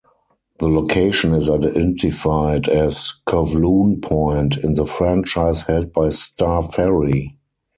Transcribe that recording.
The location is identified as "Kowloon Point" in the franchise held by Star Ferry.